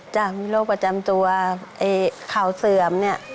จากมีโรคประจำตัวไอ้เข่าเสื่อมเนี่ย